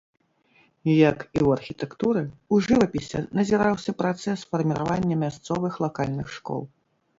Як і ў архітэктуры, у жывапісе назіраўся працэс фарміравання мясцовых лакальных школ.